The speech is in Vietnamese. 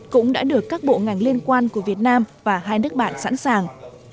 cũng đã được các bộ ngành liên quan của việt nam và hai nước bạn sẵn sàng